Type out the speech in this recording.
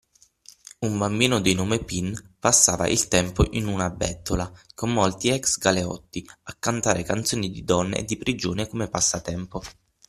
un bambino di nome Pin passava il tempo in una bettola, con molti ex-galeotti, a cantare canzoni di donne e di prigione come passatempo.